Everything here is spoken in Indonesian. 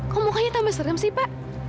kok mukanya tambah serem sih pak